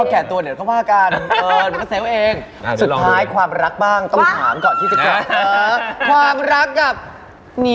พอแก่ตัวเดียวก็ว่ากัน